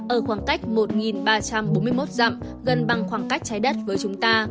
ở khoảng cách một ba trăm bốn mươi một dặm gần bằng khoảng cách trái đất với chúng ta